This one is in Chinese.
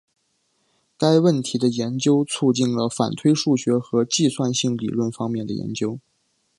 该问题的研究促进了反推数学和计算性理论方面的研究。